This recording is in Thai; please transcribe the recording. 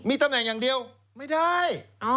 ตำแหน่งอย่างเดียวไม่ได้